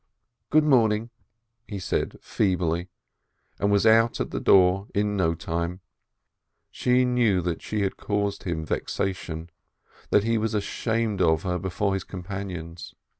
"Good morning!" he said feebly, and was out at the door in no time. She knew that she had caused him vexation, that he was ashamed of her before his com panions.